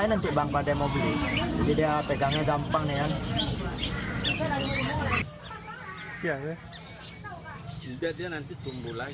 ia cedangkan berkompres standaran diserang